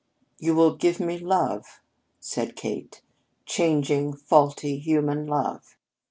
"You will give me love," said Kate, "changing, faulty, human love!